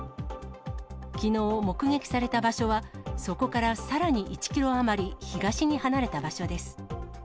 きのう目撃された場所は、そこからさらに１キロ余り東に離れた場所です。